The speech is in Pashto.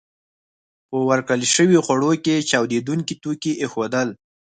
په ورکړل شويو خوړو کې چاودېدونکي توکي ایښودل